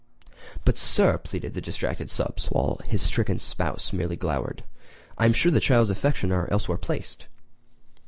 "But, Sir," pleaded the distracted Stubbs while his stricken spouse merely glowered, "I am sure the child's affections are elsewhere placed."